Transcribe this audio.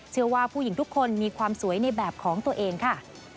เชื่อว่าผู้หญิงทุกคนมีความสวยในแบบของตัวเองค่ะ